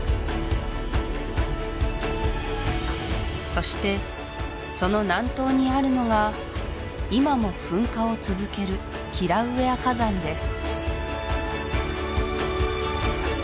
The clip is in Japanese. そしてその南東にあるのが今も噴火を続けるキラウエア火山です